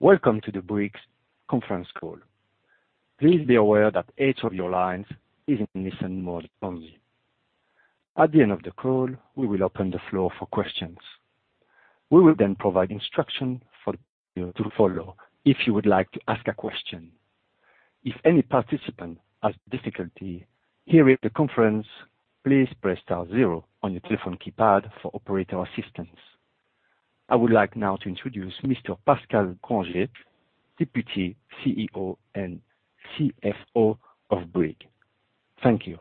Welcome to the Bouygues conference call. Please be aware that each of your lines is in listen mode only. At the end of the call, we will open the floor for questions. We will then provide instruction for you to follow if you would like to ask a question. If any participant has difficulty hearing the conference, please press star zero on your telephone keypad for operator assistance. I would like now to introduce Mr. Pascal Grangé, Deputy CEO and CFO of Bouygues. Thank you.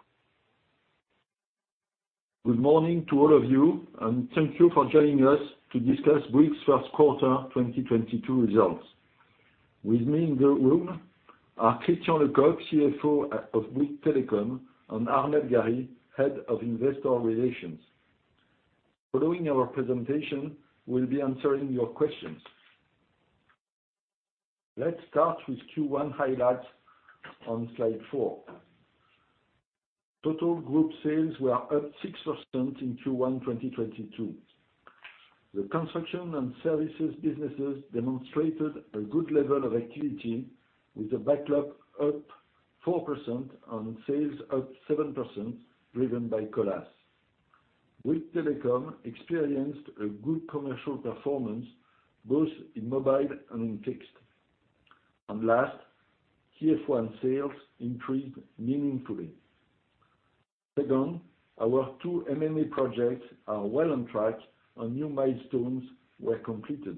Good morning to all of you, and thank you for joining us to discuss Bouygues' Q1 2022 results. With me in the room are Christian Lecoq, CFO of Bouygues Telecom, and Armelle Gary, Head of Investor Relations. Following our presentation, we'll be answering your questions. Let's start with Q1 highlights on slide four. Total group sales were up 6% in Q1 2022. The construction and services businesses demonstrated a good level of activity, with the backlog up 4% and sales up 7%, driven by Colas. Bouygues Telecom experienced a good commercial performance both in mobile and in fixed. Last, TF1 sales increased meaningfully. Second, our two M&A projects are well on track, and new milestones were completed.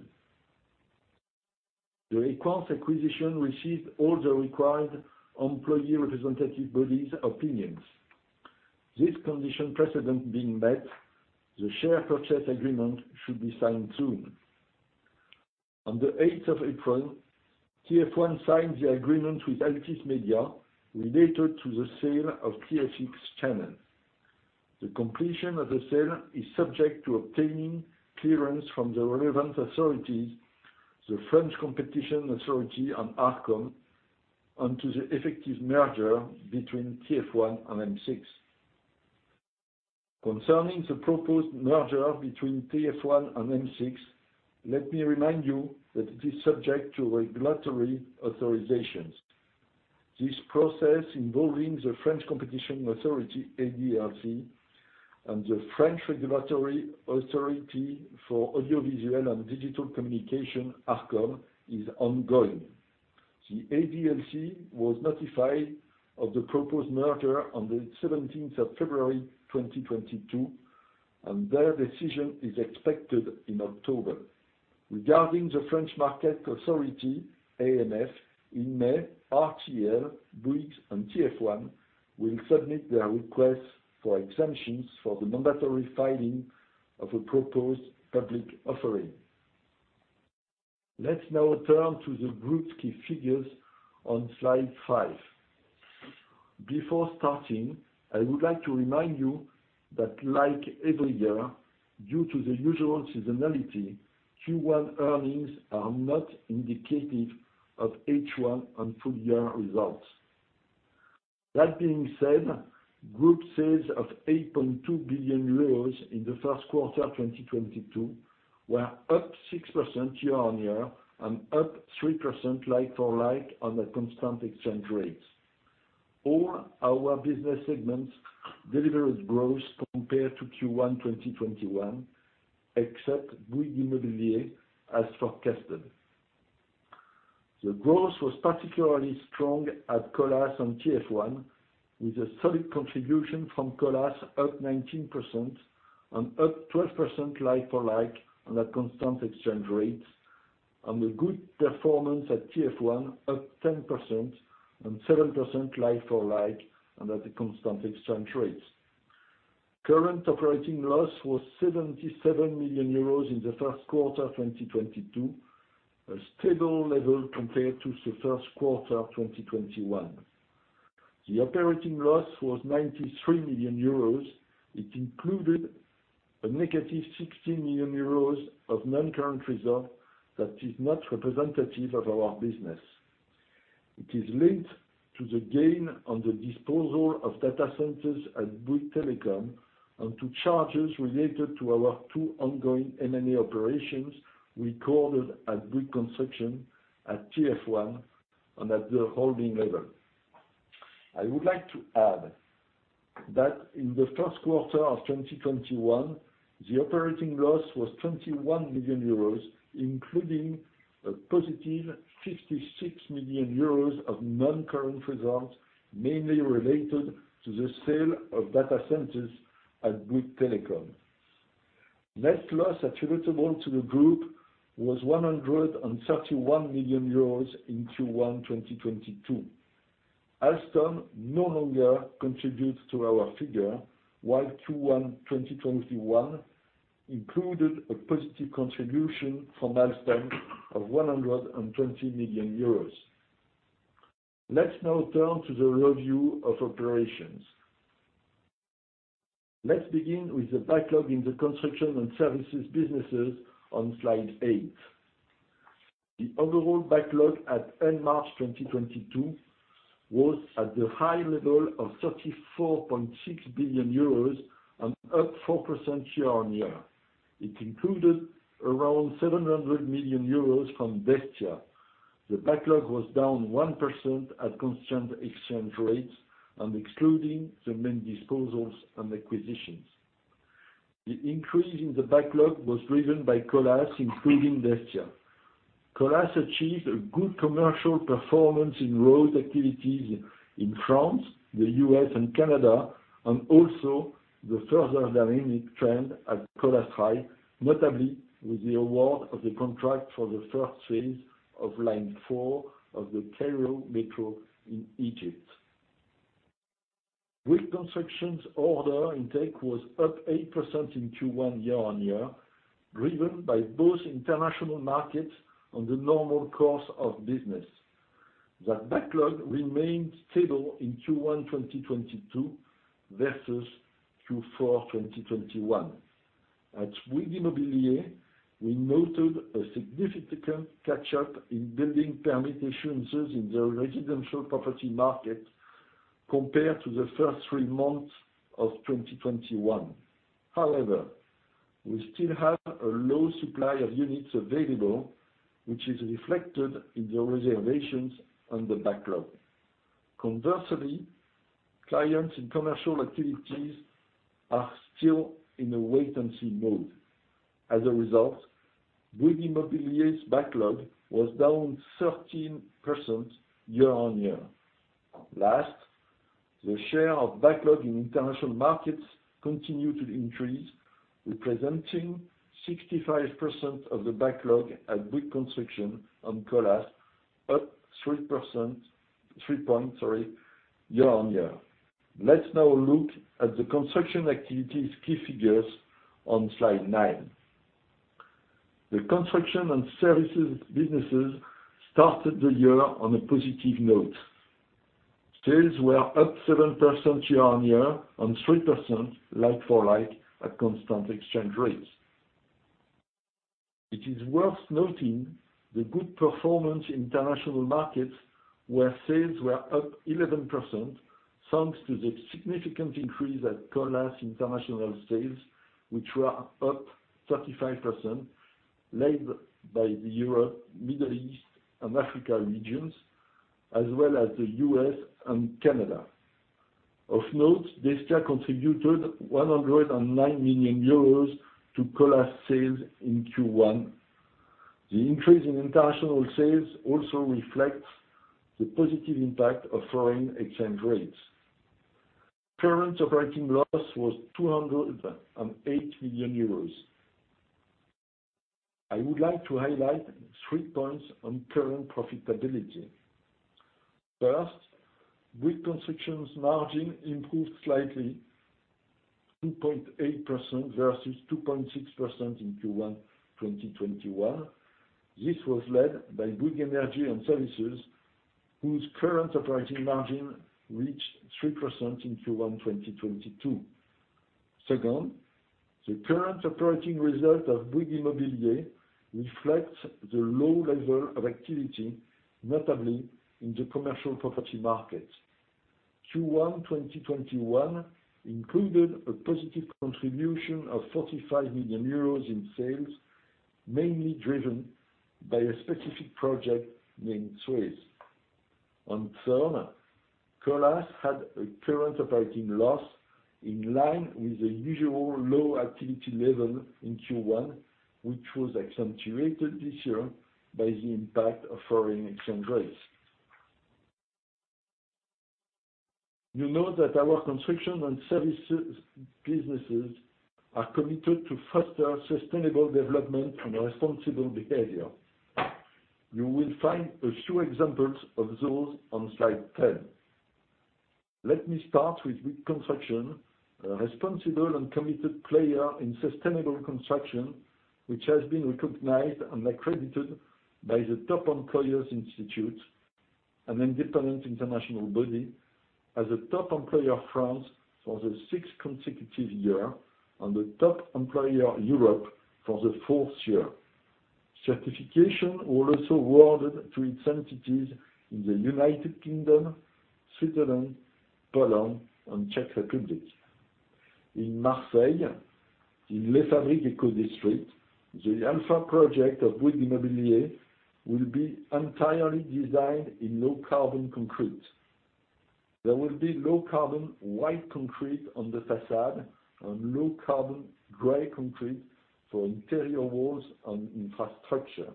The Equans acquisition received all the required employee representative bodies opinions. This condition precedent being met, the share purchase agreement should be signed soon. On the 8th of April, TF1 signed the agreement with Altice Media related to the sale of TF6 channel. The completion of the sale is subject to obtaining clearance from the relevant authorities, the French Competition Authority, and ARCOM, and to the effective merger between TF1 and M6. Concerning the proposed merger between TF1 and M6, let me remind you that it is subject to regulatory authorizations. This process involving the French Competition Authority, ADLC, and the French Regulatory Authority for Audiovisual and Digital Communication, ARCOM, is ongoing. The ADLC was notified of the proposed merger on the 17th of February 2022, and their decision is expected in October. Regarding the French Market Authority, AMF, in May, RTL, Bouygues, and TF1 will submit their request for exemptions for the mandatory filing of a proposed public offering. Let's now turn to the group's key figures on slide five. Before starting, I would like to remind you that like every year, due to the usual seasonality, Q1 earnings are not indicative of H1 and full year results. That being said, group sales of 8.2 billion euros in the first quarter of 2022 were up 6% year-on-year and up 3% like-for-like on the constant exchange rates. All our business segments delivered growth compared to Q1 2021, except Bouygues Immobilier as forecasted. The growth was particularly strong at Colas and TF1, with a solid contribution from Colas up 19% and up 12% like-for-like on that constant exchange rate, and a good performance at TF1 up 10% and 7% like-for-like under the constant exchange rates. Current operating loss was 77 million euros in the first quarter of 2022, a stable level compared to the first quarter of 2021. The operating loss was 93 million euros, which included a negative 60 million euros of non-current reserve that is not representative of our business. It is linked to the gain on the disposal of data centers at Bouygues Telecom and to charges related to our two ongoing M&A operations recorded at Bouygues Construction, at TF1, and at the holding level. I would like to add that in the first quarter of 2021, the operating loss was 21 million euros, including a positive 56 million euros of non-current results, mainly related to the sale of data centers at Bouygues Telecom. Net loss attributable to the group was 131 million euros in Q1 2022. Alstom no longer contributes to our figure, while Q1 2021 included a positive contribution from Alstom of 120 million euros. Let's now turn to the review of operations. Let's begin with the backlog in the construction and services businesses on slide eight. The overall backlog at end March 2022 was at the high level of 34.6 billion euros and up 4% year-on-year. It included around 700 million euros from Destia. The backlog was down 1% at constant exchange rates and excluding the main disposals and acquisitions. The increase in the backlog was driven by Colas, including Destia. Colas achieved a good commercial performance in road activities in France, the U.S. and Canada, and also the further dynamic trend at Colas Rail, notably with the award of the contract for the first phase of line four of the Cairo Metro in Egypt. Bouygues Construction's order intake was up 8% in Q1 year-over-year, driven by both international markets on the normal course of business. That backlog remained stable in Q1 2022 versus Q4 2021. At Bouygues Immobilier, we noted a significant catch-up in building permit issuances in the residential property market compared to the first three months of 2021. However, we still have a low supply of units available, which is reflected in the reservations on the backlog. Conversely, clients in commercial activities are still in a wait-and-see mode. As a result, Bouygues Immobilier's backlog was down 13% year-over-year. Last, the share of backlog in international markets continued to increase, representing 65% of the backlog at Bouygues Construction and Colas, up 3% year-on-year. Let's now look at the construction activity's key figures on slide nine. The construction and services businesses started the year on a positive note. Sales were up 7% year-on-year and 3% like-for-like at constant exchange rates. It is worth noting the good performance in international markets, where sales were up 11%, thanks to the significant increase at Colas' international sales, which were up 35%, led by the Europe, Middle East, and Africa regions, as well as the U.S. and Canada. Of note, Destia contributed 109 million euros to Colas sales in Q1. The increase in international sales also reflects the positive impact of foreign exchange rates. Current operating loss was 208 million euros. I would like to highlight three points on current profitability. First, Bouygues Construction's margin improved slightly, 2.8% versus 2.6% in Q1 2021. This was led by Bouygues Energies & Services, whose current operating margin reached 3% in Q1 2022. Second, the current operating result of Bouygues Immobilier reflects the low level of activity, notably in the commercial property market. Q1 2021 included a positive contribution of 45 million euros in sales, mainly driven by a specific project named Suez. Third, Colas had a current operating loss in line with the usual low activity level in Q1, which was accentuated this year by the impact of foreign exchange rates. You know that our construction and services businesses are committed to foster sustainable development and responsible behavior. You will find a few examples of those on slide 10. Let me start with Bouygues Construction, a responsible and committed player in sustainable construction, which has been recognized and accredited by the Top Employers Institute, an independent international body, as a Top Employer France for the sixth consecutive year and a Top Employer Europe for the fourth year. Certification was also awarded to its entities in the United Kingdom, Switzerland, Poland, and Czech Republic. In Marseille, in Les Fabriques ecodistrict, the Alpha project of Bouygues Immobilier will be entirely designed in low-carbon concrete. There will be low-carbon white concrete on the façade and low-carbon gray concrete for interior walls and infrastructure.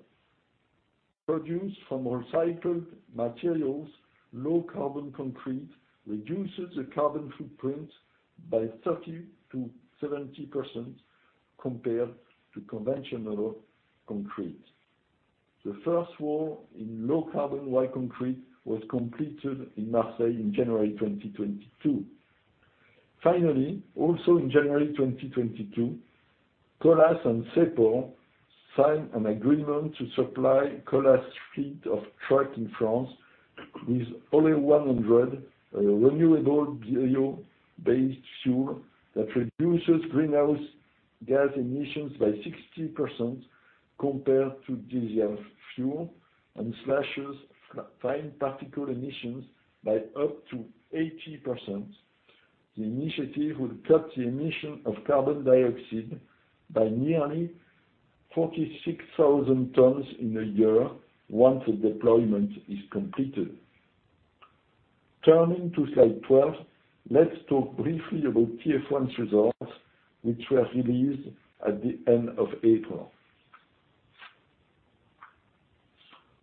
Produced from recycled materials, low-carbon concrete reduces the carbon footprint by 30%-70% compared to conventional concrete. The first wall in low-carbon white concrete was completed in Marseille in January 2022. Finally, also in January 2022, Colas and Saipol signed an agreement to supply Colas' fleet of trucks in France. With 100% renewable bio-based fuel that reduces greenhouse gas emissions by 60% compared to diesel fuel and slashes fine particle emissions by up to 80%. The initiative will cut the emission of carbon dioxide by nearly 46,000 tons in a year once the deployment is completed. Turning to slide 12, let's talk briefly about TF1's results, which were released at the end of April.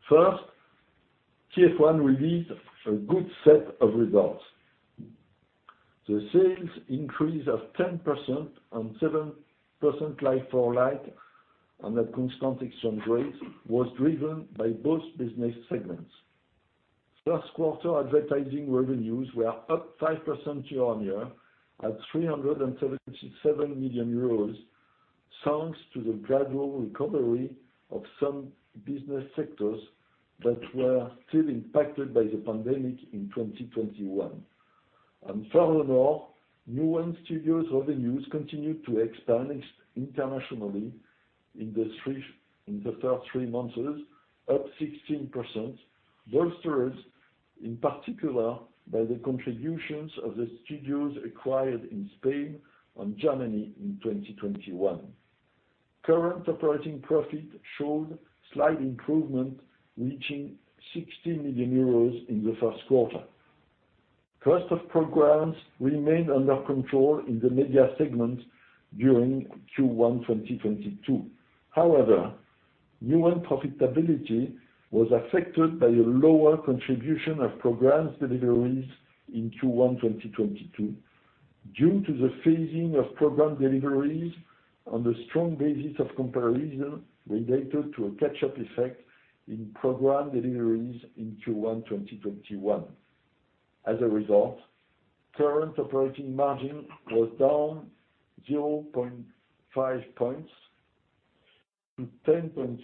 First, TF1 released a good set of results. The sales increase of 10% and 7% like-for-like on a constant exchange rate was driven by both business segments. First quarter advertising revenues were up 5% year-on-year at 377 million euros, thanks to the gradual recovery of some business sectors that were still impacted by the pandemic in 2021. Furthermore, Newen Studios revenues continued to expand internationally in the first three months, up 16%, bolstered in particular by the contributions of the studios acquired in Spain and Germany in 2021. Current operating profit showed slight improvement, reaching 60 million euros in the first quarter. Cost of programs remained under control in the media segment during Q1 2022. However, Newen profitability was affected by a lower contribution of program deliveries in Q1 2022 due to the phasing of program deliveries on the strong basis of comparison related to a catch-up effect in program deliveries in Q1 2021. As a result, current operating margin was down 0.5 points to 10.6%.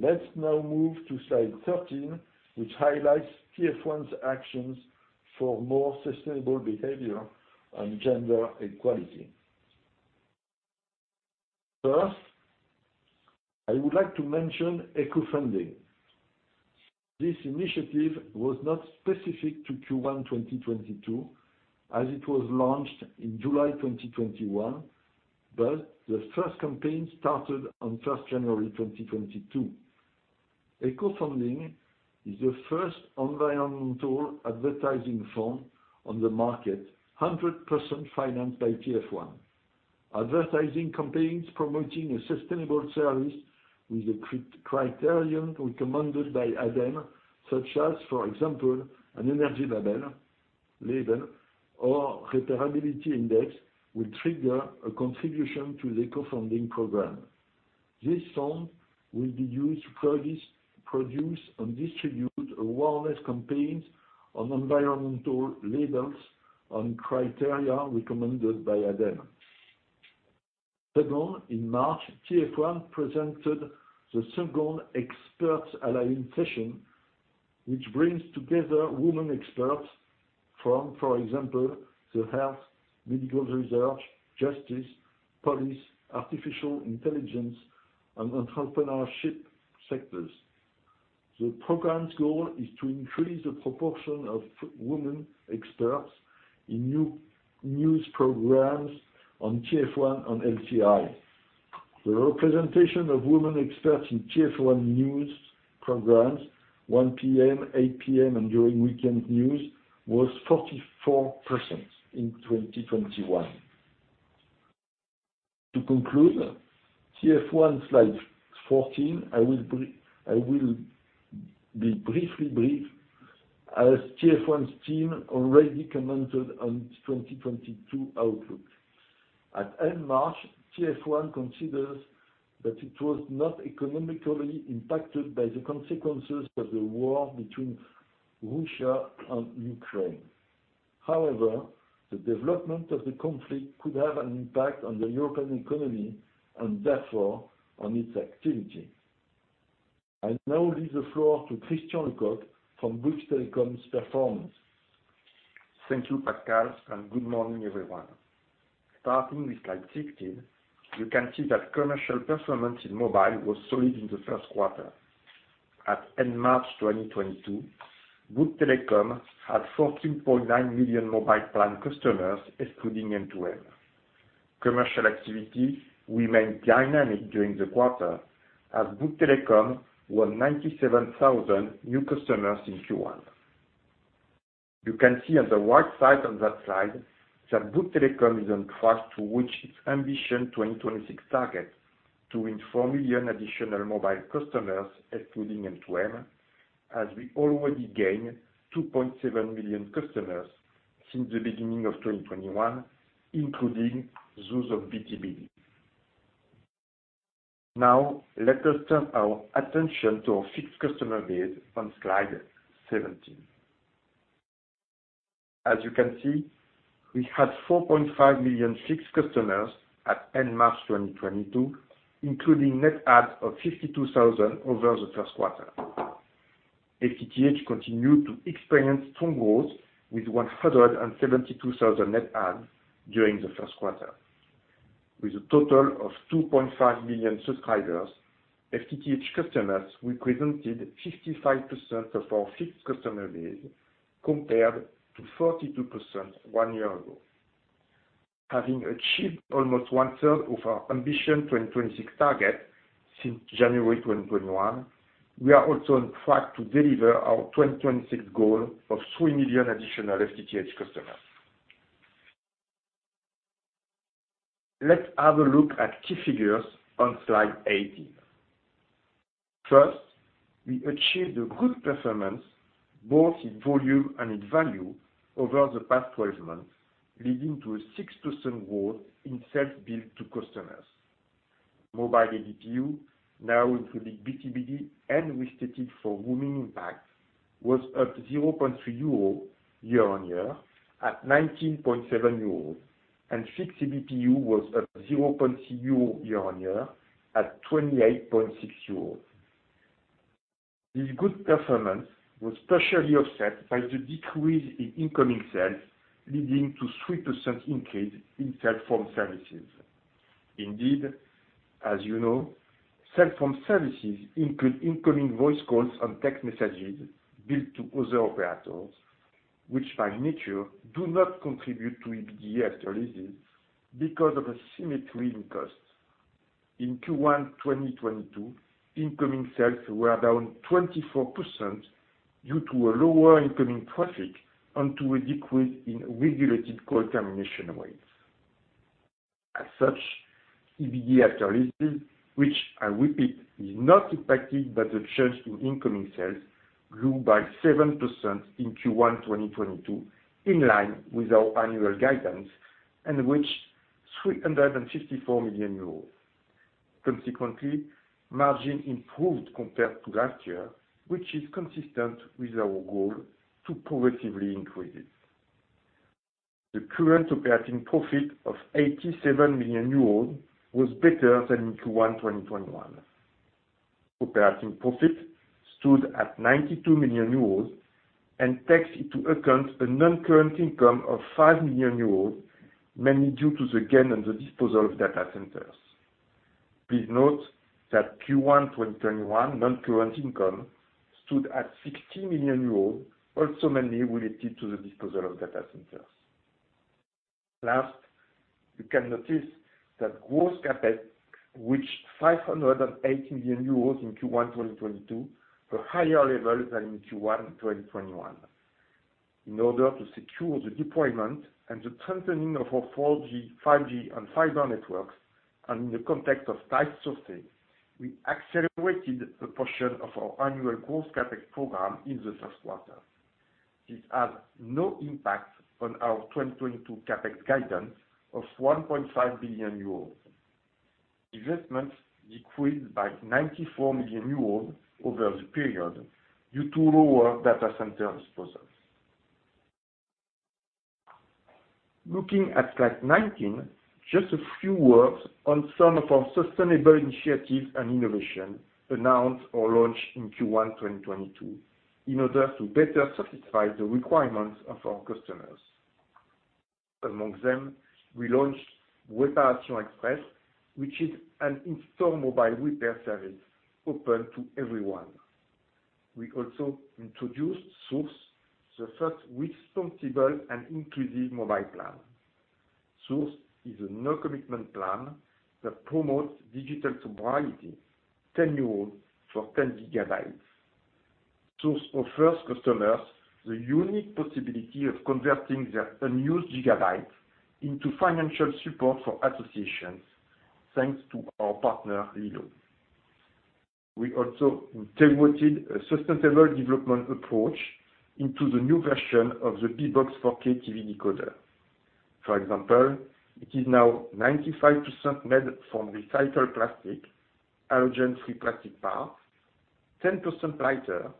Let's now move to slide 13, which highlights TF1's actions for more sustainable behavior on gender equality. First, I would like to mention EcoFunding. This initiative was not specific to Q1 2022, as it was launched in July 2021, but the first campaign started on 1 January 2022. EcoFunding is the first environmental advertising fund on the market, 100% financed by TF1. Advertising campaigns promoting a sustainable service with the criterion recommended by ADEME, such as, for example, an energy label or repairability index, will trigger a contribution to the EcoFunding program. This fund will be used to produce and distribute awareness campaigns on environmental labels and criteria recommended by ADEME. Second, in March, TF1 presented the second Expert Alliance session, which brings together women experts from, for example, the health, medical research, justice, police, artificial intelligence, and entrepreneurship sectors. The program's goal is to increase the proportion of women experts in news programs on TF1 and LCI. The representation of women experts in TF1 news programs, 1:00 P.M., 8:00 P.M., and during weekend news, was 44% in 2021. To conclude TF1, slide 14, I will be brief as TF1's team already commented on 2022 outlook. At end March, TF1 considers that it was not economically impacted by the consequences of the war between Russia and Ukraine. However, the development of the conflict could have an impact on the European economy and therefore on its activity. I now leave the floor to Christian Lecoq from Bouygues Telecom finance. Thank you, Pascal, and good morning, everyone. Starting with slide 16, you can see that commercial performance in mobile was solid in the first quarter. At end March 2022, Bouygues Telecom had 14.9 million mobile plan customers excluding M2M. Commercial activity remained dynamic during the quarter as Bouygues Telecom won 97,000 new customers in Q1. You can see on the right side of that slide that Bouygues Telecom is on track to reach its ambition 2026 target to win 4 million additional mobile customers, excluding M2M, as we already gained 2.7 million customers since the beginning of 2021, including those of BTB. Now, let us turn our attention to our fixed customer base on slide 17. As you can see, we had 4.5 million fixed customers at end March 2022, including net adds of 52,000 over the first quarter. FTTH continued to experience strong growth with 172,000 net adds during the first quarter. With a total of 2.5 million subscribers, FTTH customers represented 55% of our fixed customer base, compared to 42% one year ago. Having achieved almost one-third of our ambition 2026 target since January 2021, we are also on track to deliver our 2026 goal of 3 million additional FTTH customers. Let's have a look at key figures on slide 18. First, we achieved a good performance both in volume and in value over the past 12 months, leading to a 6% growth in sales billed to customers. Mobile ARPU, now including B2B and restated for roaming impact, was up 0.3 euro year-on-year at 19.7 euro, and fixed ARPU was up 0.3 euro year-on-year at 28.6 euro. This good performance was partially offset by the decrease in incoming sales, leading to 3% increase in sales from services. Indeed, as you know, cell phone services include incoming voice calls and text messages billed to other operators, which by nature do not contribute to EBITDA after leases because of asymmetry in costs. In Q1 2022, incoming sales were down 24% due to a lower incoming traffic and to a decrease in regulated call termination rates. As such, EBITDA after leases, which I repeat is not impacted by the change to incoming sales, grew by 7% in Q1 2022, in line with our annual guidance, and reached 354 million euros. Consequently, margin improved compared to last year, which is consistent with our goal to progressively increase it. The current operating profit of 87 million euros was better than in Q1 2021. Operating profit stood at 92 million euros and takes into account a non-current income of 5 million euros, mainly due to the gain on the disposal of data centers. Please note that Q1 2021 non-current income stood at 60 million euros, also mainly related to the disposal of data centers. Last, you can notice that gross CapEx reached 580 million euros in Q1 2022, a higher level than in Q1 2021. In order to secure the deployment and the strengthening of our 4G, 5G and fiber networks, and in the context of tight sourcing, we accelerated a portion of our annual gross CapEx program in the first quarter. This has no impact on our 2022 CapEx guidance of 1.5 billion euros. Investments decreased by 94 million euros over the period due to lower data center disposals. Looking at slide 19, just a few words on some of our sustainable initiatives and innovation announced or launched in Q1 2022 in order to better satisfy the requirements of our customers. Among them, we launched Répar'Action Express, which is an itinerant mobile repair service open to everyone. We also introduced Source, the first responsible and inclusive mobile plan. Source is a no commitment plan that promotes digital sobriety, 10 euros for 10 GB. Source offers customers the unique possibility of converting their unused gigabytes into financial support for associations, thanks to our partner, Lilo. We also integrated a sustainable development approach into the new version of the Bbox 4K TV decoder. For example, it is now 95% made from recycled plastic, halogen-free plastic parts, 10% lighter,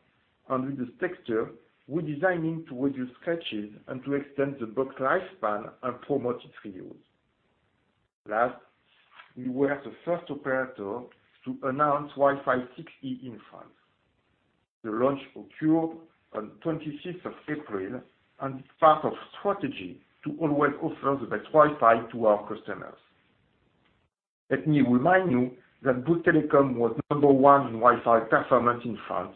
and with this texture, we're designing to reduce scratches and to extend the box lifespan and promote its reuse. Last, we were the first operator to announce Wi-Fi 6E in France. The launch occurred on 25th of April and is part of strategy to always offer the best Wi-Fi to our customers. Let me remind you that Bouygues Telecom was number one in Wi-Fi performance in France,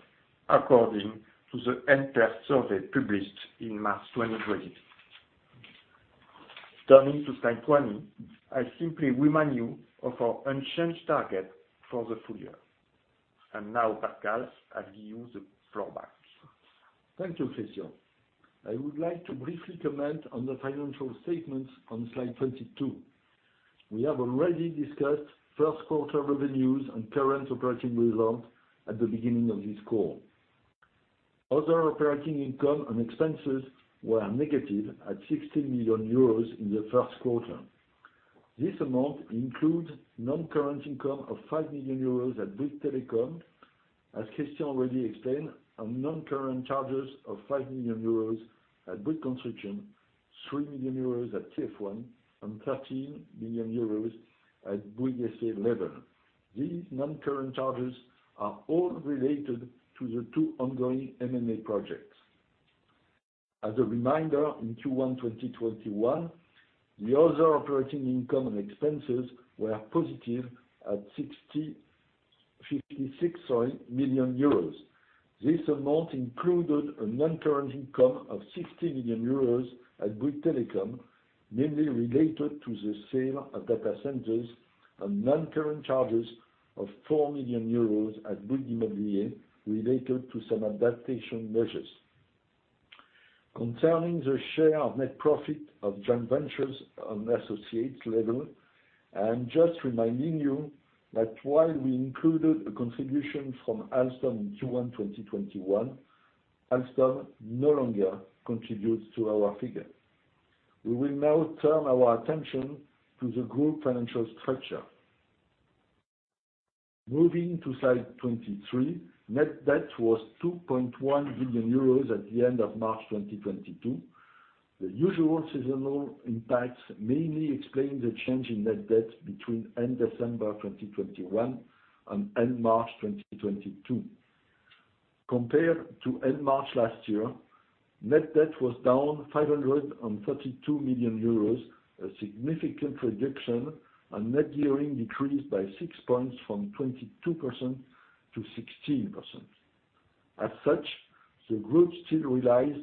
according to the nPerf survey published in March 2020. Turning to slide 20, I simply remind you of our unchanged target for the full year. Now, Pascal, I give you the floor back. Thank you, Christian. I would like to briefly comment on the financial statements on slide 22. We have already discussed first quarter revenues and current operating results at the beginning of this call. Other operating income and expenses were negative at 60 million euros in the first quarter. This amount includes non-current income of 5 million euros at Bouygues Telecom, as Christian already explained, on non-current charges of 5 million euros at Bouygues Construction, 3 million euros at TF1, and 13 million euros at Bouygues SA level. These non-current charges are all related to the two ongoing M&A projects. As a reminder, in Q1 2021, the other operating income and expenses were positive at 56 million euros. This amount included a non-current income of 60 million euros at Bouygues Telecom, mainly related to the sale of data centers and non-current charges of 4 million euros at Bouygues Immobilier related to some adaptation measures. Concerning the share of net profit of joint ventures on associates level, I'm just reminding you that while we included a contribution from Alstom in Q1 2021, Alstom no longer contributes to our figures. We will now turn our attention to the group financial structure. Moving to slide 23, net debt was 2.1 billion euros at the end of March 2022. The usual seasonal impacts mainly explain the change in net debt between end December 2021 and end March 2022. Compared to end March last year, net debt was down 532 million euros, a significant reduction, and net gearing decreased by 6 points from 22% to 16%. As such, the group still relies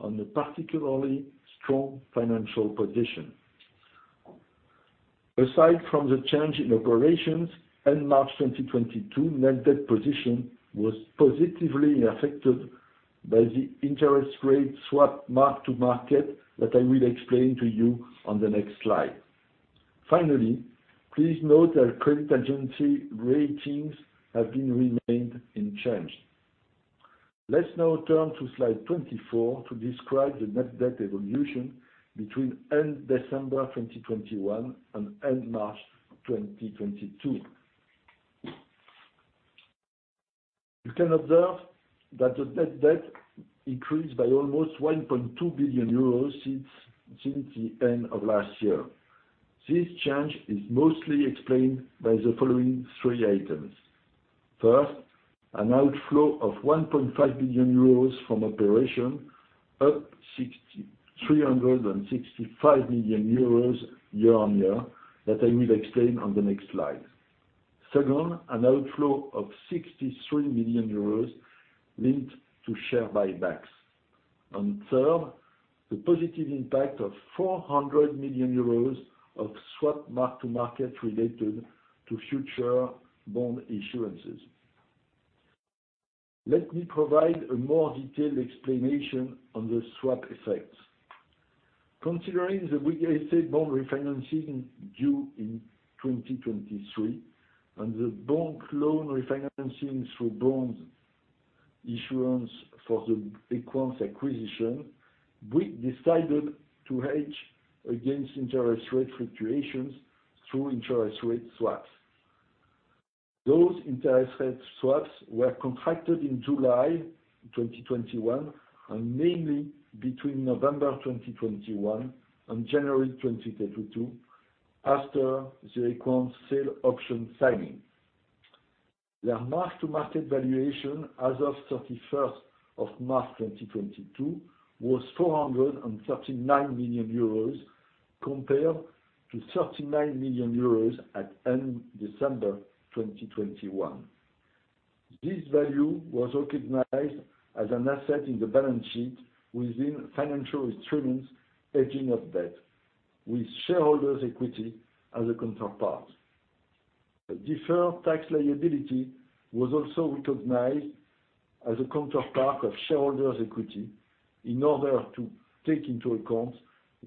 on a particularly strong financial position. Aside from the change in operations, end March 2022 net debt position was positively affected by the interest rate swap mark-to-market that I will explain to you on the next slide. Finally, please note that credit agency ratings have been remained unchanged. Let's now turn to slide 24 to describe the net debt evolution between end December 2021 and end March 2022. You can observe that the net debt increased by almost 1.2 billion euros since the end of last year. This change is mostly explained by the following three items. First, an outflow of 1.5 billion euros from operation, up 365 million euros year-on-year that I will explain on the next slide. Second, an outflow of 63 million euros linked to share buybacks. Third, the positive impact of 400 million euros of swap mark-to-market related to future bond issuances. Let me provide a more detailed explanation on the swap effects. Considering the Bouygues SA bond refinancing due in 2023 and the bank loan refinancing through bond issuance for the Equans acquisition, Bouygues decided to hedge against interest rate fluctuations through interest rate swaps. Those interest rate swaps were contracted in July 2021, and mainly between November 2021 and January 2022 after the Equans sale option signing. Their mark-to-market valuation as of 31st of March 2022 was 439 million euros compared to 39 million euros at end December 2021. This value was recognized as an asset in the balance sheet within financial instruments hedging of debt, with shareholders' equity as a counterpart. A deferred tax liability was also recognized as a counterpart of shareholders' equity in order to take into account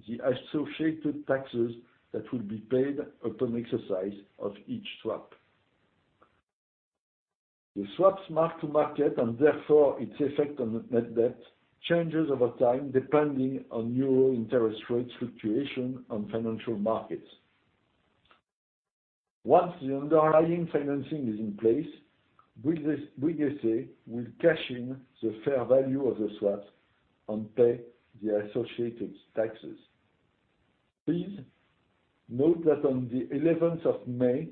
the associated taxes that will be paid upon exercise of each swap. The swaps mark to market, and therefore its effect on net debt, changes over time depending on euro interest rate fluctuation on financial markets. Once the underlying financing is in place, Bouygues SA will cash in the fair value of the swaps and pay the associated taxes. Please note that on the eleventh of May,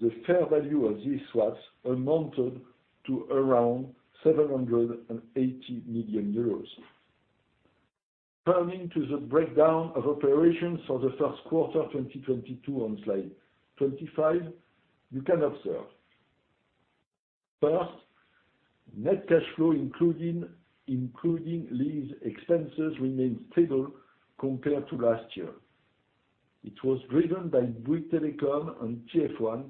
the fair value of these swaps amounted to around 780 million euros. Turning to the breakdown of operations for the first quarter 2022 on slide 25, you can observe, first, net cash flow including lease expenses remained stable compared to last year. It was driven by Bouygues Telecom and TF1,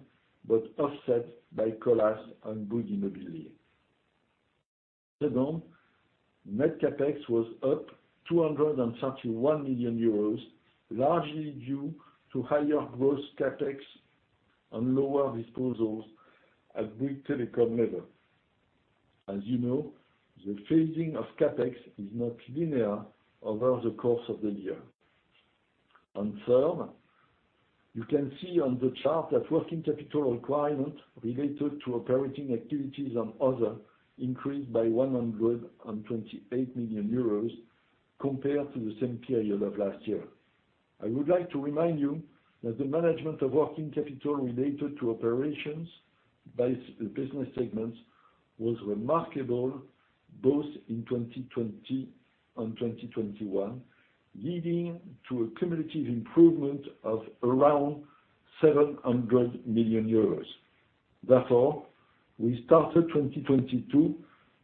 but offset by Colas and Bouygues Immobilier. Second, net CapEx was up 231 million euros, largely due to higher gross CapEx and lower disposals at Bouygues Telecom level. As you know, the phasing of CapEx is not linear over the course of the year. Third, you can see on the chart that working capital requirement related to operating activities and other increased by 128 million euros compared to the same period of last year. I would like to remind you that the management of working capital related to operations by sub-business segments was remarkable both in 2020 and 2021, leading to a cumulative improvement of around 700 million euros. Therefore, we started 2022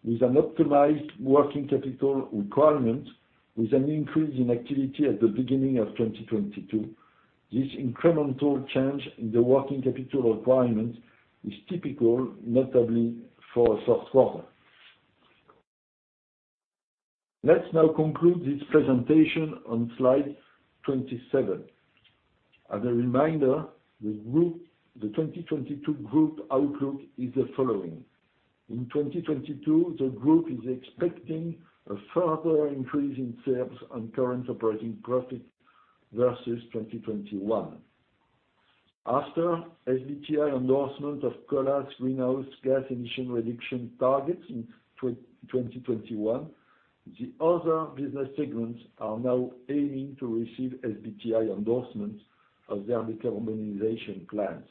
with an optimized working capital requirement with an increase in activity at the beginning of 2022. This incremental change in the working capital requirement is typical, notably for a soft quarter. Let's now conclude this presentation on slide 27. As a reminder, the 2022 group outlook is the following. In 2022, the group is expecting a further increase in sales and current operating profit versus 2021. After SBTi endorsement of Colas greenhouse gas emission reduction targets in 2021, the other business segments are now aiming to receive SBTi endorsements of their decarbonization plans.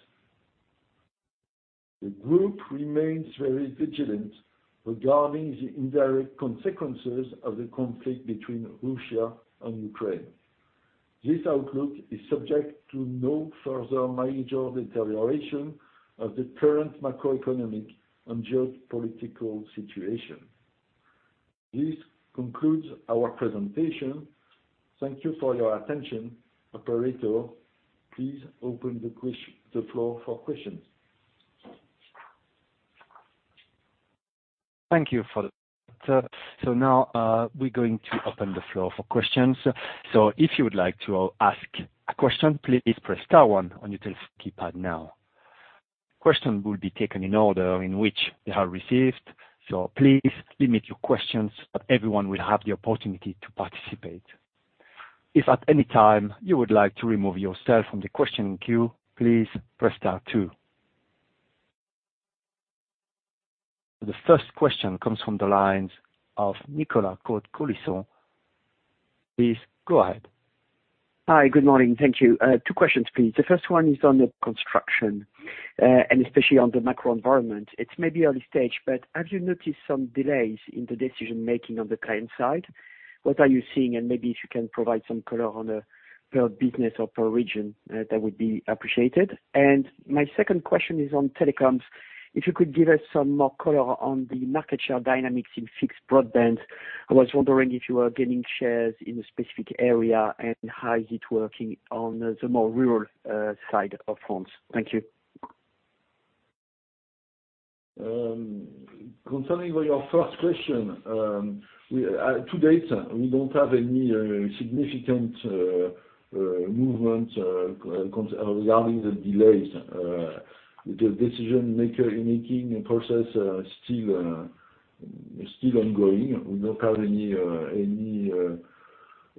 The group remains very vigilant regarding the indirect consequences of the conflict between Russia and Ukraine. This outlook is subject to no further major deterioration of the current macroeconomic and geopolitical situation. This concludes our presentation. Thank you for your attention. Operator, please open the floor for questions. Thank you for that. Now, we're going to open the floor for questions. If you would like to ask a question, please press star one on your telephone keypad now. Questions will be taken in order in which they are received, so please limit your questions, but everyone will have the opportunity to participate. If at any time you would like to remove yourself from the questioning queue, please press star two. The first question comes from the lines of Nicolas Cote-Colisson. Please go ahead. Hi, good morning. Thank you. Two questions, please. The first one is on the construction and especially on the macro environment. It's maybe early stage, but have you noticed some delays in the decision-making on the client side? What are you seeing? Maybe if you can provide some color on a per business or per region, that would be appreciated. My second question is on telecoms. If you could give us some more color on the market share dynamics in fixed broadband. I was wondering if you are gaining shares in a specific area, and how is it working on the more rural side of France. Thank you. Concerning your first question, to date, we don't have any significant movement regarding the delays. The decision making process still ongoing. We don't have any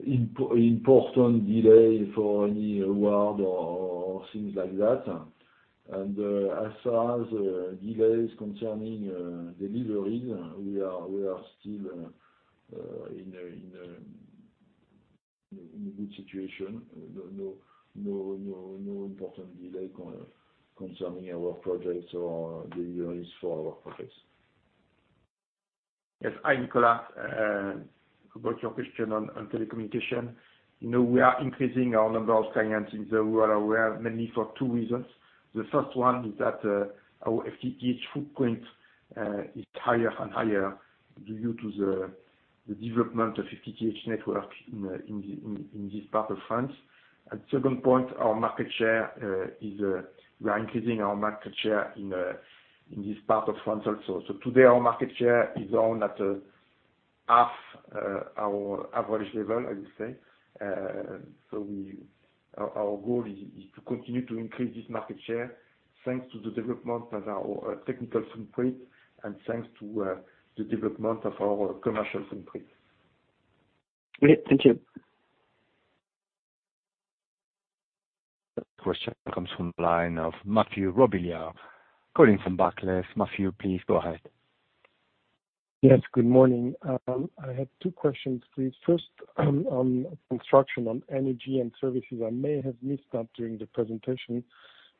important delay for any award or things like that. As far as delays concerning deliveries, we are still in a good situation. No important delay concerning our projects or deliveries for our projects. Yes. Hi, Nicolas. About your question on telecommunications. You know, we are increasing our number of clients in the rural area mainly for two reasons. The first one is that our FTTH footprint is higher and higher due to the development of FTTH network in this part of France. Second point, we are increasing our market share in this part of France also. Today our market share is around at half our average level, I would say. Our goal is to continue to increase this market share thanks to the development of our technical footprint and thanks to the development of our commercial footprint. Great. Thank you. The next question comes from the line of Mathieu Robilliard, calling from Barclays. Mathieu, please go ahead. Yes, good morning. I have two questions please. First, on construction, on energy and services, I may have missed that during the presentation,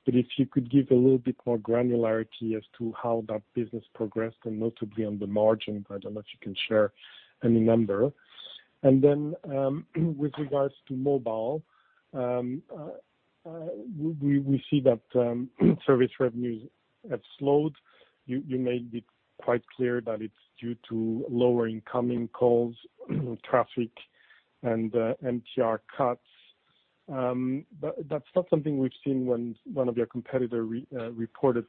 but if you could give a little bit more granularity as to how that business progressed, and notably on the margin, but I don't know if you can share any number. Then, with regards to mobile, we see that service revenues have slowed. You made it quite clear that it's due to lower incoming calls, traffic and MTR cuts. But that's not something we've seen when one of your competitor reported.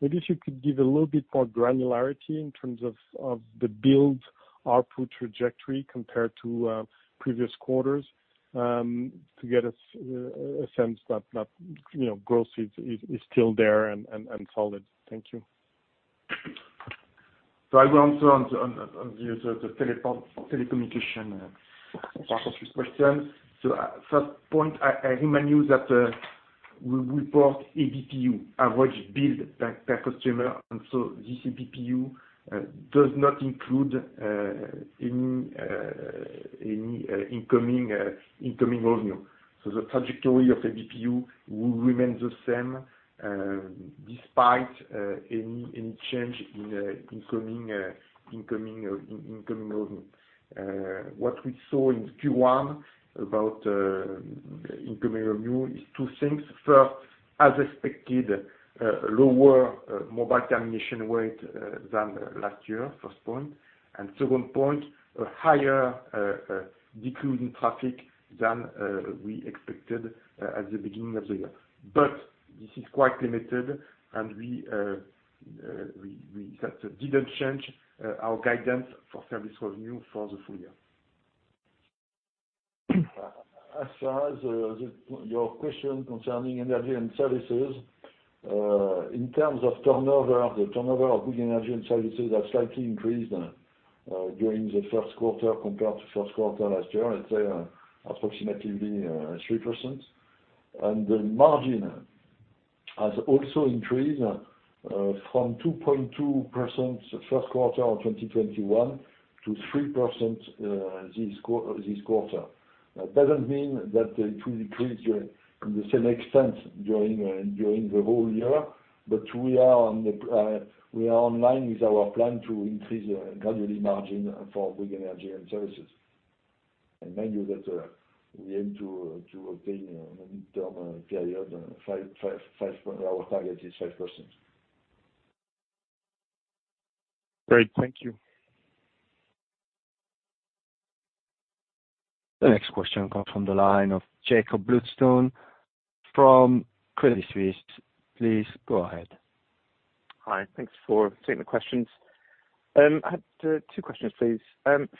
Maybe if you could give a little bit more granularity in terms of the build output trajectory compared to previous quarters, to get a sense that you know growth is still there and solid. Thank you. I will answer on the telecommunication part of this question. First point, I remind you that we report ABPU, average bill per customer, and so this ABPU does not include any incoming revenue. The trajectory of ABPU will remain the same, despite any change in incoming revenue. What we saw in Q1 about incoming revenue is two things. First, as expected, lower mobile termination rate than last year, first point. Second point, a higher decline in traffic than we expected at the beginning of the year. This is quite limited, and that didn't change our guidance for service revenue for the full year. As far as your question concerning energy and services, in terms of turnover, the turnover of Bouygues Energies & Services has slightly increased during the first quarter compared to first quarter last year, let's say approximately 3%. The margin has also increased from 2.2% first quarter of 2021 to 3% this quarter. That doesn't mean that it will increase the same extent during the whole year, but we are in line with our plan to increase gradually margin for Bouygues Energies & Services. Mind you that we aim to obtain a mid-term period 5%. Our target is 5%. Great. Thank you. The next question comes from the line of Jakob Bluestone from Credit Suisse. Please go ahead. Hi. Thanks for taking the questions. I had two questions, please.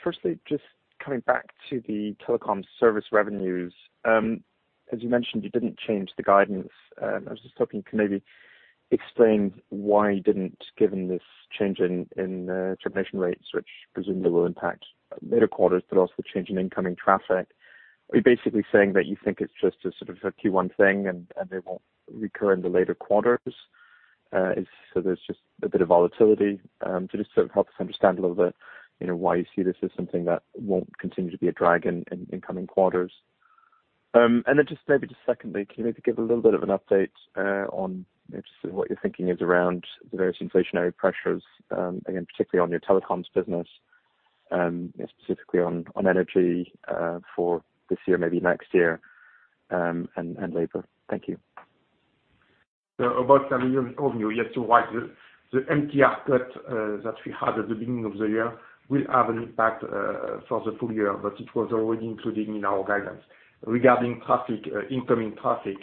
Firstly, just coming back to the telecom service revenues. As you mentioned, you didn't change the guidance. I was just hoping you could maybe explain why you didn't, given this change in termination rates, which presumably will impact later quarters, but also change in incoming traffic. Are you basically saying that you think it's just a sort of a Q1 thing and it won't recur in the later quarters? So there's just a bit of volatility. To just sort of help us understand a little bit, you know, why you see this as something that won't continue to be a drag in incoming quarters. Then just maybe just secondly, can you maybe give a little bit of an update on just what you're thinking is around the various inflationary pressures, again, particularly on your telecoms business, specifically on energy for this year, maybe next year, and labor. Thank you. About termination revenue, yes, you're right. The MTR output that we had at the beginning of the year will have an impact for the full year, but it was already included in our guidance. Regarding incoming traffic,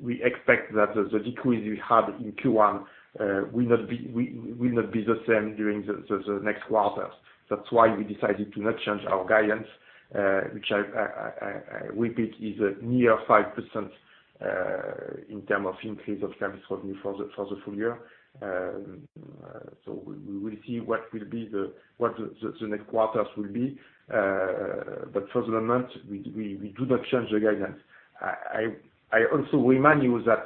we expect that the decrease we had in Q1 will not be the same during the next quarters. That's why we decided to not change our guidance, which I repeat is near 5% in terms of increase of service revenue for the full year. We will see what the next quarters will be. For the moment, we do not change the guidance. I also remind you that,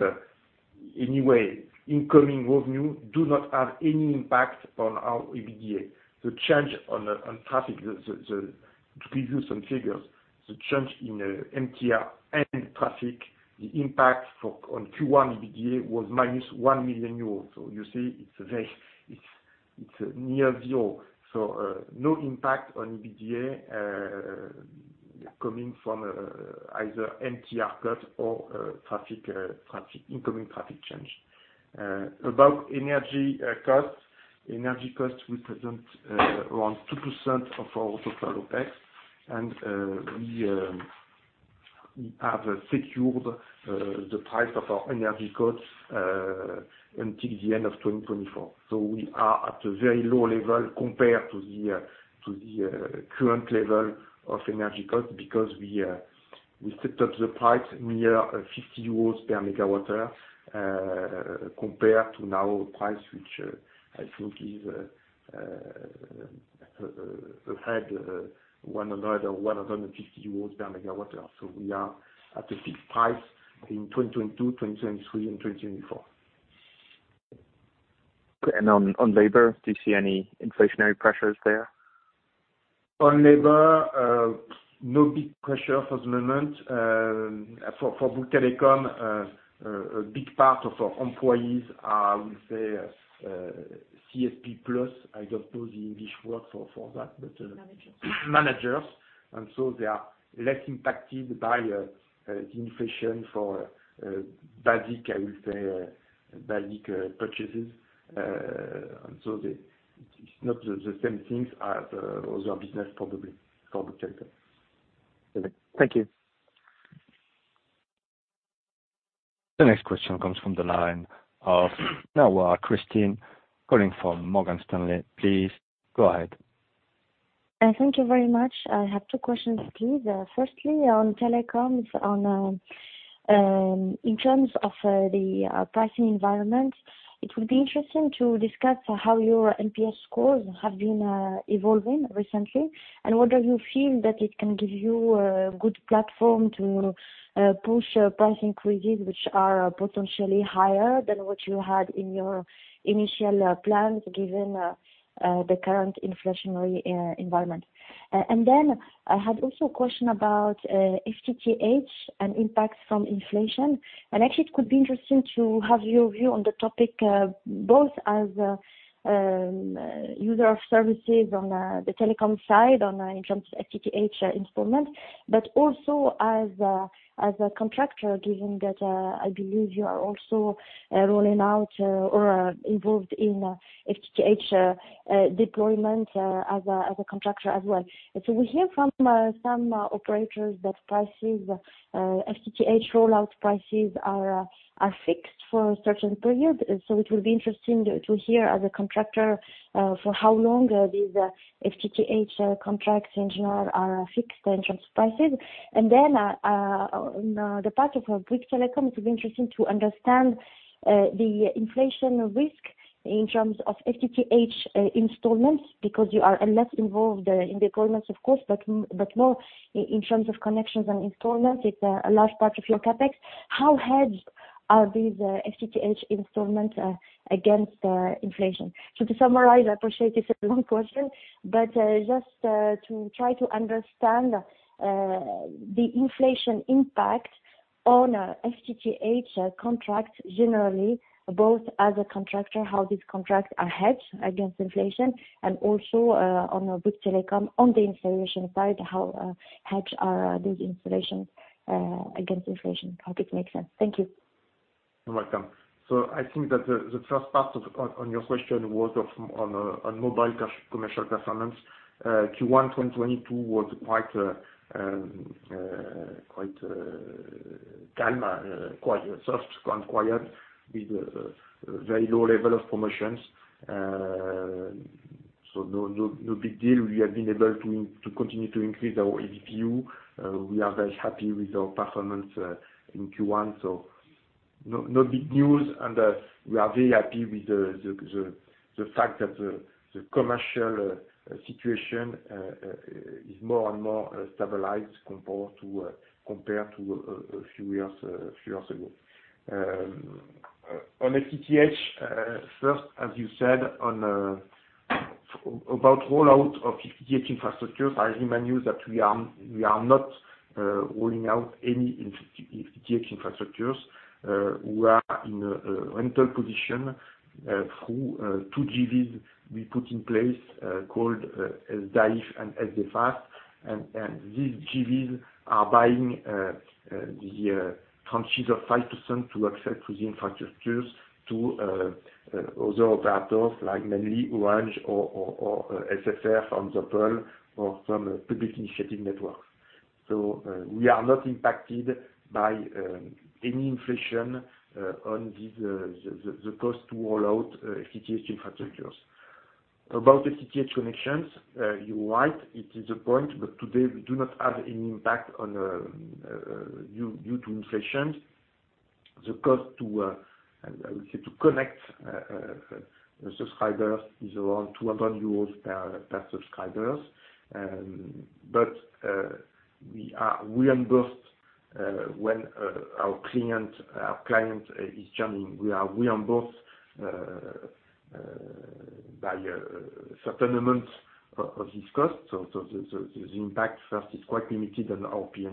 anyway, incoming revenue does not have any impact on our EBITDA. To give you some figures, the change in MTR and traffic, the impact on Q1 EBITDA was minus 1 million euros. You see, it's very near zero. No impact on EBITDA coming from either MTR cut or traffic incoming traffic change. About energy costs. Energy costs represent around 2% of our total OpEx, and we have secured the price of our energy costs until the end of 2024. We are at a very low level compared to the current level of energy costs, because we set up the price near 50 euros per megawatt hour, compared to current price, which I think is around 100 or 150 euros per megawatt hour. We are at a fixed price in 2022, 2023 and 2024. On labor, do you see any inflationary pressures there? On labor, no big pressure for the moment. For Bouygues Telecom, a big part of our employees are, I will say, CSP+. I don't know the English word for that. Managers. Managers. They are less impacted by the inflation for basic, I will say, basic purchases. It's not the same things as other business probably for Bouygues Telecom. Okay. Thank you. The next question comes from the line of Nawar Cristini calling from Morgan Stanley. Please go ahead. Thank you very much. I have two questions, please. Firstly, on telecoms, in terms of the pricing environment, it would be interesting to discuss how your NPS scores have been evolving recently. Whether you feel that it can give you a good platform to push pricing queries which are potentially higher than what you had in your initial plans, given the current inflationary environment. I had also a question about FTTH and impacts from inflation. Actually, it could be interesting to have your view on the topic, both as a user of services on the telecom side, in terms of FTTH installations. As a contractor, given that I believe you are also rolling out or are involved in FTTH deployment as a contractor as well. We hear from some operators that FTTH rollout prices are fixed for a certain period. It will be interesting to hear as a contractor for how long these FTTH contracts in general are fixed in terms of prices. Then on the part of Bouygues Telecom, it will be interesting to understand the inflation risk in terms of FTTH installments, because you are less involved in the deployments of course, but more in terms of connections and installments, it's a large part of your CapEx. How hedged are these FTTH installments against inflation? To summarize, I appreciate it's a long question, but just to try to understand the inflation impact on FTTH contracts generally, both as a contractor, how these contracts are hedged against inflation, and also on Bouygues Telecom on the installation side, how hedged are these installations against inflation? Hope it makes sense. Thank you. You're welcome. I think that the first part of your question was on mobile commercial performance. Q1 2022 was quite calm, quite soft and quiet with very low level of promotions. So no big deal. We have been able to continue to increase our ARPU. We are very happy with our performance in Q1, so no big news. We are very happy with the fact that the commercial situation is more and more stabilized compared to a few years ago. On FTTH, first, as you said about rollout of FTTH infrastructures, I remind you that we are not rolling out any FTTH infrastructures. We are in a rental position through two JVs we put in place called SDAIF and SDFAST. These JVs are buying the tranches of 5% to access to the infrastructures to other operators like mainly Orange or SFR from the XpFibre or from public initiative networks. We are not impacted by any inflation on the cost to roll out FTTH infrastructures. About FTTH connections, you're right, it is a point, but today we do not have any impact due to inflation. The cost to how would say to connect a subscriber is around 200 euros per subscriber. But we are reimbursed when our client is joining. We are reimbursed by a certain amount of this cost. The impact first is quite limited on our P&L.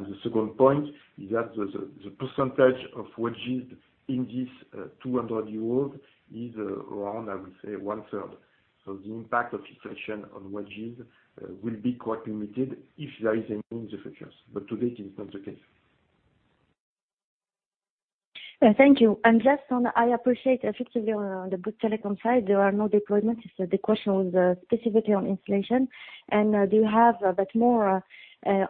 The second point is that the percentage of wages in this 200 euros is around, I would say, one third. The impact of inflation on wages will be quite limited if there is any in the future. Today it is not the case. Thank you. Just on, I appreciate effectively on the Bouygues Telecom side, there are no deployments. The question was specifically on inflation. Do you have a bit more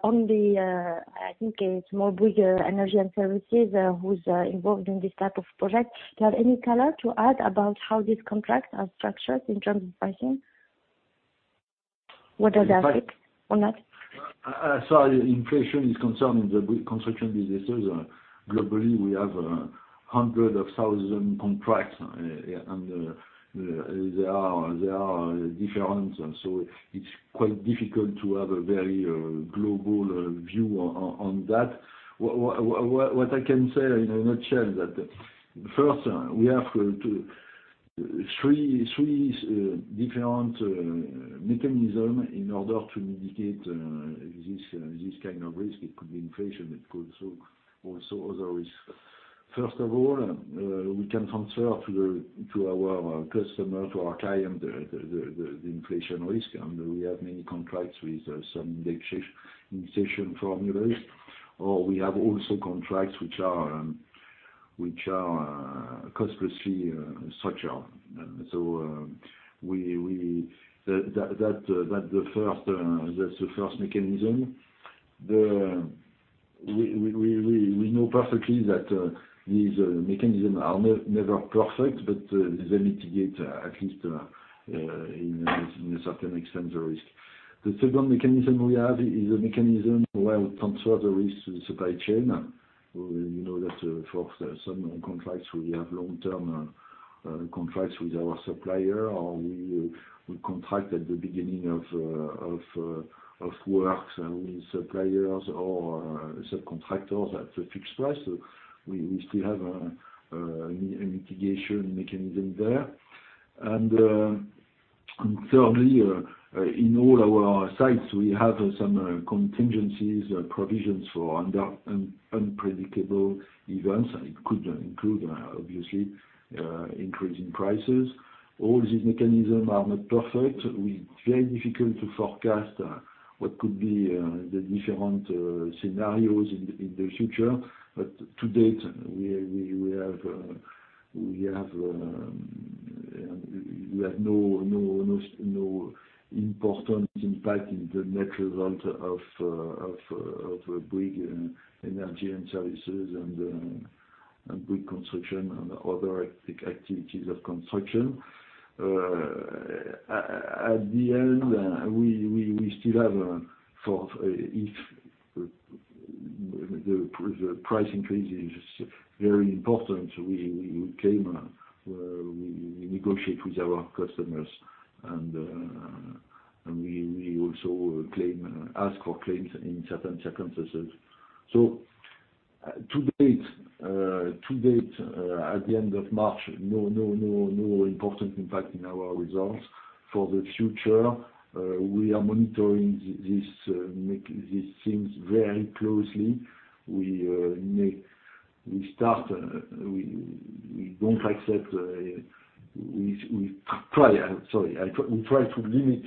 on the, I think it's more Bouygues Energies & Services, who's involved in this type of project. Do you have any color to add about how these contracts are structured in terms of pricing? What are the aspects or not? Inflation is concerned in the construction businesses. Globally, we have hundreds of thousand contracts, and they are different. It's quite difficult to have a very global view on that. What I can say in a nutshell is that first, we have two three different mechanism in order to mitigate this kind of risk. It could be inflation, it could also other risks. First of all, we can transfer to our customer, to our client, the inflation risk. We have many contracts with some indexation formulas. Or we have also contracts which are cost plus fee structure. That's the first mechanism. The, uh- We know perfectly that these mechanism are never perfect, but they mitigate at least in a certain extent the risk. The second mechanism we have is a mechanism where we transfer the risk to the supply chain. You know that for some contracts we have long-term contracts with our supplier or we contract at the beginning of works with suppliers or subcontractors at a fixed price. We still have a mitigation mechanism there. Thirdly in all our sites we have some contingencies provisions for unpredictable events. It could include obviously increase in prices. All these mechanism are not perfect. It's very difficult to forecast what could be the different scenarios in the future. To date, we have no important impact in the net result of Bouygues Energies & Services and Bouygues Construction and other activities of construction. At the end, we still have, for if the price increase is very important, we claim, we negotiate with our customers, and we also ask for claims in certain circumstances. To date, at the end of March, no important impact in our results. For the future, we are monitoring these things very closely. We start, we don't accept, we try. We try to limit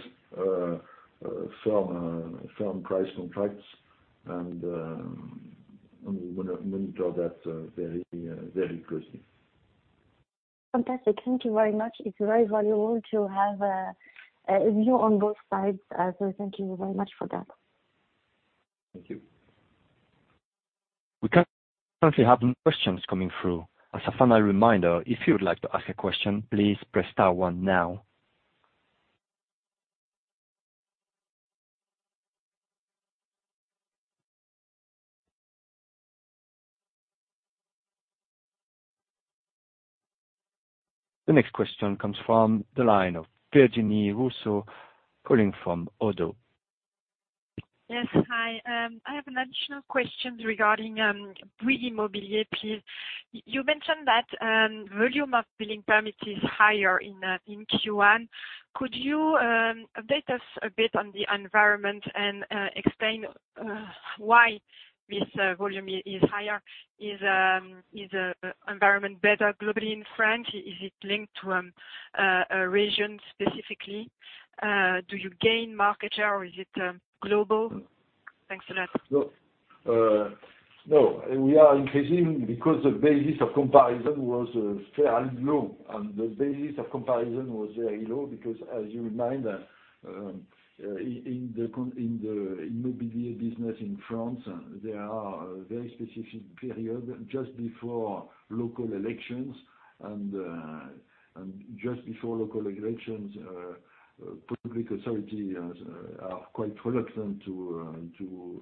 firm price contracts and we monitor that very closely. Fantastic. Thank you very much. It's very valuable to have a view on both sides, so thank you very much for that. Thank you. We currently have no questions coming through. As a final reminder, if you would like to ask a question, please press star one now. The next question comes from the line of Virginie Rousseau calling from ODDO. Yes. Hi. I have an additional questions regarding Bouygues Immobilier, please. You mentioned that volume of building permit is higher in Q1. Could you update us a bit on the environment and explain why this volume is higher? Is environment better globally in France? Is it linked to a region specifically? Do you gain market share, or is it global? Thanks a lot. No, we are increasing because the basis of comparison was fairly low. The basis of comparison was very low because as you remember, in the Immobilier business in France, there is a very specific period just before local elections. Just before local elections, public authorities are quite reluctant to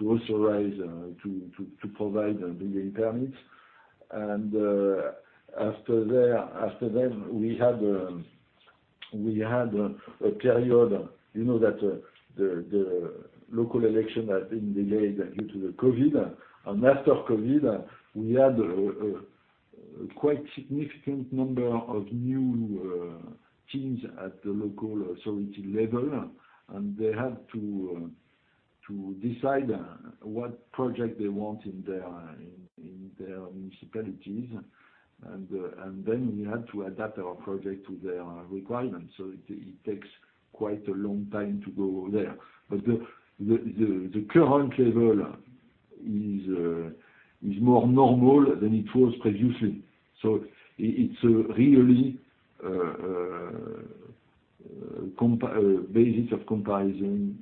authorize, to provide building permits. After them, we had a period, you know that the local elections had been delayed due to COVID. After COVID, we had a quite significant number of new teams at the local authority level, and they had to decide what projects they want in their municipalities. We had to adapt our project to their requirements, so it takes quite a long time to go there. The current level is more normal than it was previously. It's really basis of comparison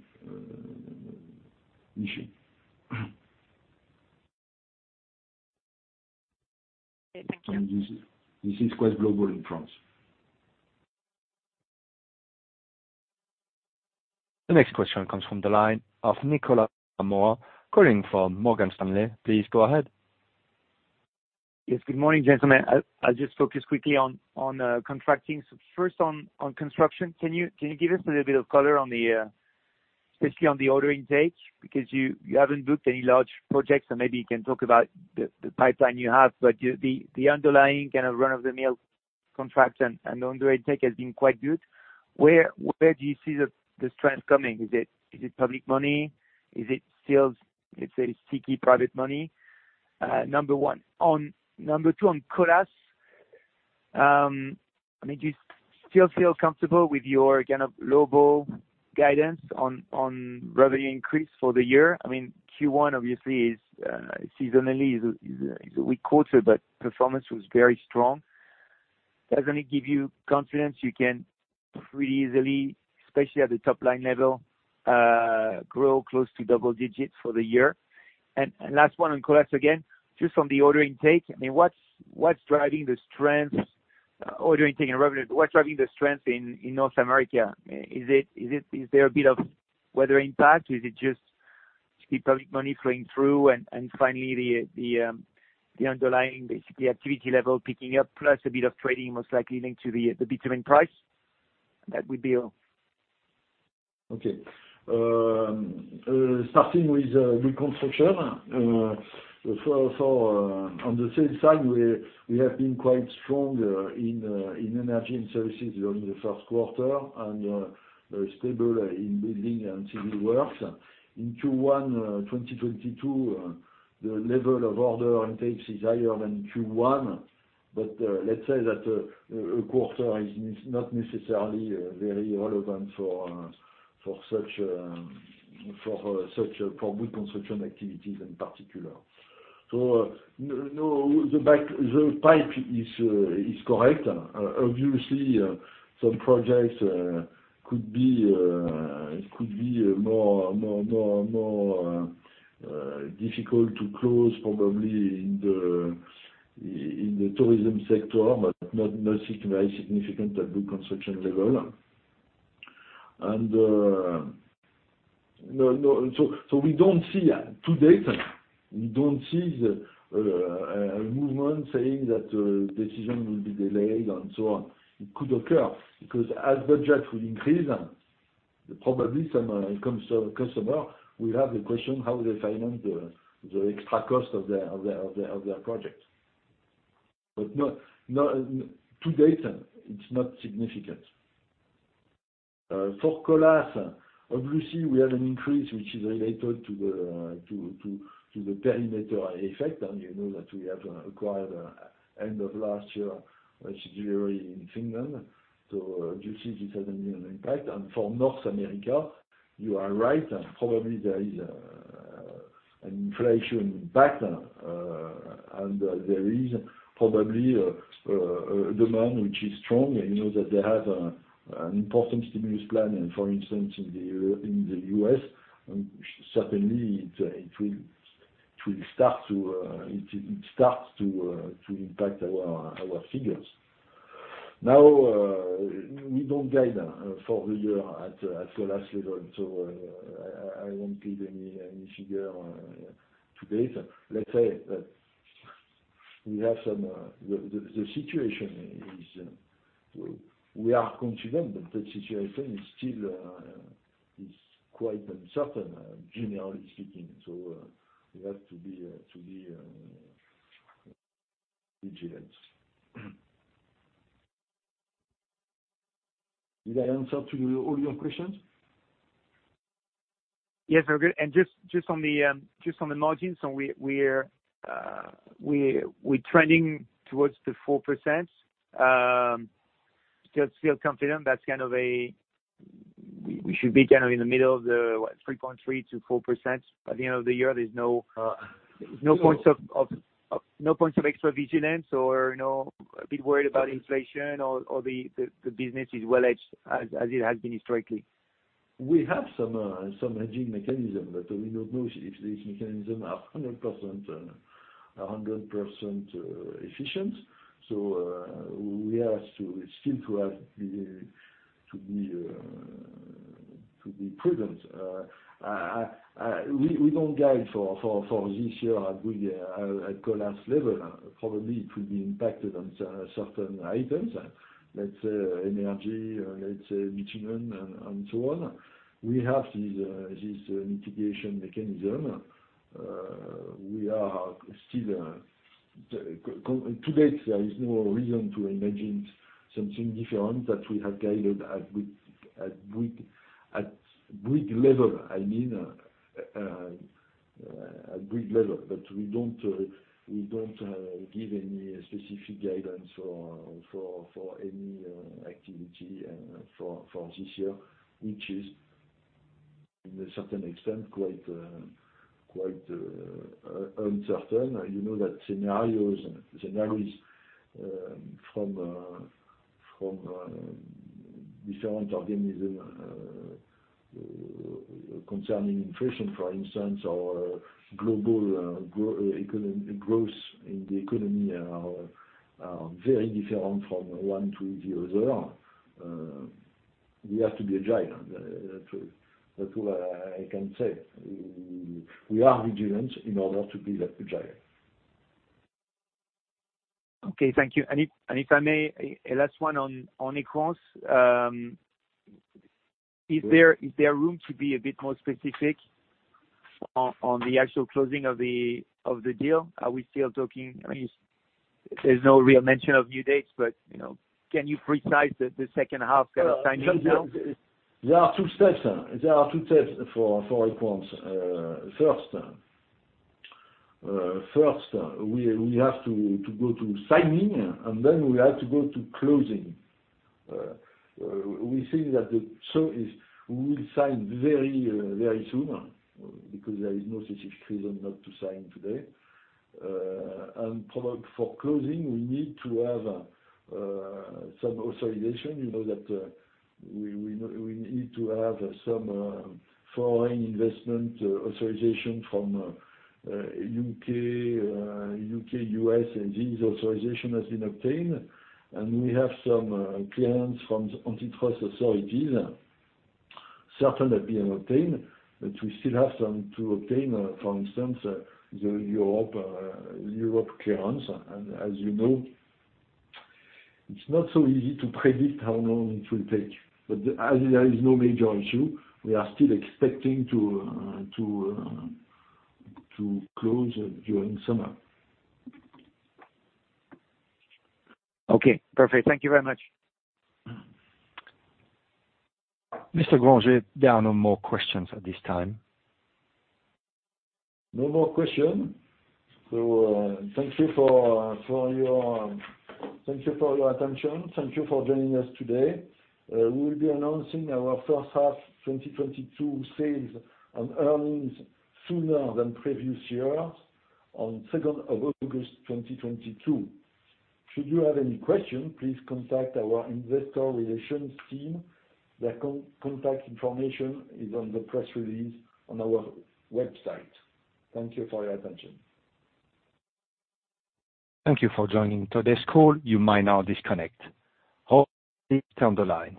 issue. Okay. Thank you. This is quite global in France. The next question comes from the line of Nicolas Mora calling from Morgan Stanley. Please go ahead. Yes. Good morning, gentlemen. I'll just focus quickly on contracting. First on construction, can you give us a little bit of color, especially on the order intake? Because you haven't booked any large projects, so maybe you can talk about the pipeline you have. The underlying kind of run-of-the-mill contracts and order intake has been quite good. Where do you see the strength coming? Is it public money? Is it, say, sticky private money? Number one. Number two, on Colas, I mean, do you still feel comfortable with your kind of global guidance on revenue increase for the year? I mean, Q1 obviously is seasonally a weak quarter, but performance was very strong. Does it give you confidence you can pretty easily, especially at the top-line level, grow close to double digits for the year? Last one on Colas again, just from the order intake, I mean, what's driving the strength in order intake and revenue. What's driving the strength in North America? Is there a bit of weather impact or is it just public money flowing through? Finally the underlying basically activity level picking up, plus a bit of trading most likely linked to the bitumen price. That would be all. Okay. Starting with new construction. On the sales side, we have been quite strong in energy and services during the first quarter, and stable in building and civil works. In Q1 2022, the level of order intakes is higher than Q1. Let's say that a quarter is not necessarily very relevant for Bouygues Construction activities in particular. No, the backlog, the pipeline is correct. Obviously, some projects could be more difficult to close probably in the tourism sector, but not significant at the construction level. No. We don't see, to date, the movement saying that decision will be delayed and so on. It could occur because as budget will increase, probably some customers will have the question how they finance the extra cost of their project. But to date, it's not significant. For Colas, obviously we had an increase which is related to the perimeter effect, and you know that we have acquired, end of last year, Destia in Finland. You see this has an impact. For North America, you are right. Probably there is an inflation impact. And there is probably a demand which is strong. You know that they have an important stimulus plan, and for instance, in the U.S., certainly it starts to impact our figures. Now, we don't guide for the year at Colas level, so I won't give any figure today. Let's say that the situation is we are confident, but the situation is still quite uncertain, generally speaking. We have to be vigilant. Did I answer all your questions? Yes, very good. Just on the margins, so we're trending towards the 4%. Still confident we should be kind of in the middle of the 3.3%-4% by the end of the year. There's no points of extra vigilance or a bit worried about inflation or the business is well hedged as it has been historically. We have some hedging mechanism, but we don't know if these mechanism are 100% efficient. We ask to still be prudent. We don't guide for this year at Bouygues, at Colas level. Probably it will be impacted on certain items. Let's say energy, let's say bitumen and so on. We have these mitigation mechanism. To date, there is no reason to imagine something different that we have guided at Bouygues level, I mean, at Bouygues level. We don't give any specific guidance for any activity for this year, which is in a certain extent quite uncertain. You know that scenarios from different organizations concerning inflation, for instance, or global growth in the economy are very different from one to the other. We have to be agile. That's all I can say. We are vigilant in order to be that agile. Okay, thank you. If I may, a last one on Equans. Is there room to be a bit more specific on the actual closing of the deal? Are we still talking? I mean, there's no real mention of new dates, but you know, can you specify the second half kind of timing now? There are two steps. There are two steps for Equans. First, we have to go to signing, and then we have to go to closing. We think that we will sign very soon because there is no specific reason not to sign today. Prior to closing, we need to have some authorization. You know that we need to have some foreign investment authorization from the U.K., U.S., and this authorization has been obtained, and we have some clearance from antitrust authorities. Certain have been obtained, but we still have some to obtain. For instance, the European clearance. As you know, it's not so easy to predict how long it will take. As there is no major issue, we are still expecting to close during summer. Okay, perfect. Thank you very much. Mr. Grangé, there are no more questions at this time. No more questions. Thank you for your attention. Thank you for joining us today. We will be announcing our first half 2022 sales and earnings sooner than previous year on 2nd August 2022. Should you have any questions, please contact our investor relations team. Their contact information is on the press release on our website. Thank you for your attention. Thank you for joining today's call. You may now disconnect or stay on the line.